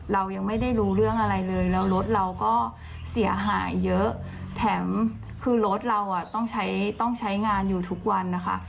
เรายังไม่ได้รู้เรื่องอะไรเลยแล้วรถเราก็เสียหายเยอะแถมคือรถเราต้องใช้ต้องใช้งานอยู่ทุกวันนะคะ